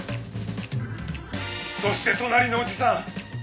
そして隣のおじさん